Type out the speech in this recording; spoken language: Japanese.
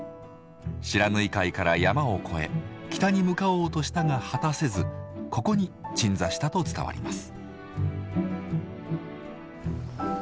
不知火海から山を越え北に向かおうとしたが果たせずここに鎮座したと伝わります。